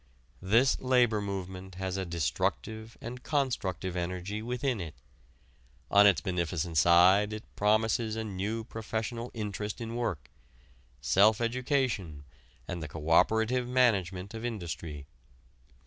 This labor movement has a destructive and constructive energy within it. On its beneficent side it promises a new professional interest in work, self education, and the co operative management of industry.